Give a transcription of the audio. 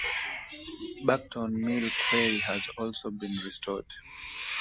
Bacton Mill quay has also been restored.